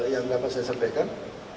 yang dapat saya sampaikan